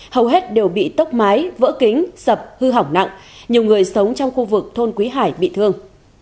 hầu hết đều bị tốc mái vỡ kính sập hư hỏng nặng nhiều người sống trong khu vực thôn quý hải bị thương